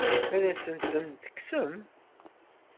Ad asen-ten-tekksem?